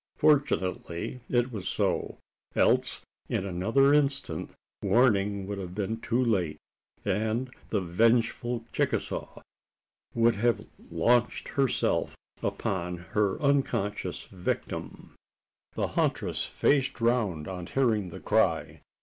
Fortunately it was so: else in another instant warning would have been too late, and the vengeful Chicasaw would have launched herself upon her unconscious victim. The huntress faced round on hearing the cry.